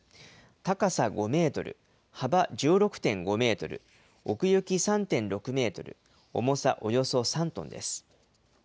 高さ５メートル、幅１６．５メートル、奥行き３．６メートル、重さおよそ３トンです。